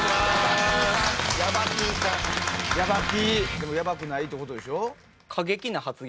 でもヤバくないってことでしょ？